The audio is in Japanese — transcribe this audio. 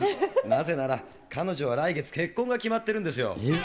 なぜなら、彼女は来月、結婚が決まってるんですよ。